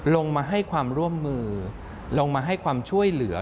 ลงมาให้ความร่วมมือลงมาให้ความช่วยเหลือ